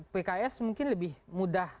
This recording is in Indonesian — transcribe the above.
pks mungkin lebih mudah